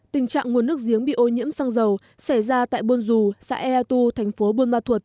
tình trạng nguồn nước giếng bị ô nhiễm xăng dầu xảy ra tại buôn dù xã ea tu thành phố buôn ma thuột